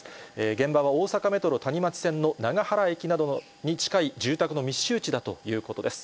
現場は大阪メトロ谷町線のながはら駅などに近い住宅の密集地だということです。